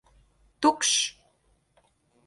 Tukšs!